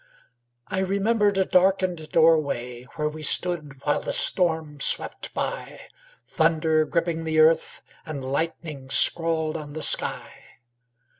I remembered a darkened doorway Where we stood while the storm swept by, Thunder gripping the earth And lightning scrawled on the sky.